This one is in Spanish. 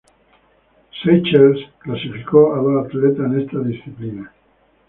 Seychelles clasificó a dos atletas en esta disciplina.